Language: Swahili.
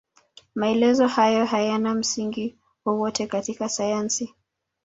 Maelezo hayo hayana msingi wowote katika sayansi.